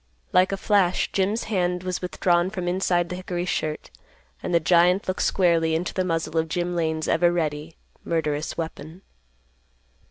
Like a flash Jim's hand was withdrawn from inside the hickory shirt, and the giant looked squarely into the muzzle of Jim Lane's ever ready, murderous weapon.